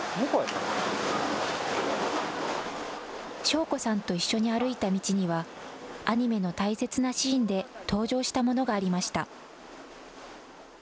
晶子さんと一緒に歩いた道には、アニメの大切なシーンで登場したものがありました。